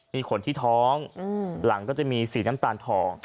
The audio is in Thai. มีขนที่ท้องหลังก็จะมีสีน้ำตาลทอง